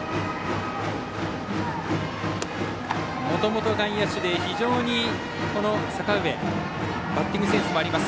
もともと外野手で非常に阪上はバッティングセンスもあります。